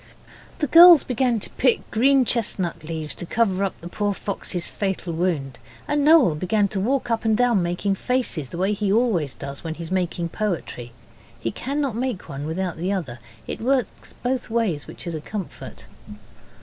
The girls began to pick green chestnut leaves to cover up the poor fox's fatal wound, and Noel began to walk up and down making faces, the way he always does when he's making poetry. He cannot make one without the other. It works both ways, which is a comfort.